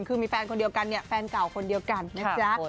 คือมีแฟนคนเดียวกันเนี่ยแฟนเก่าคนเดียวกันนะจ๊ะ